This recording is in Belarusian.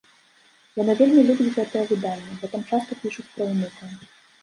Яна вельмі любіць гэтае выданне, бо там часта пішуць пра ўнука.